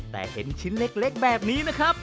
แต่เห็นชิ้นเล็กแบบนี้นะครับ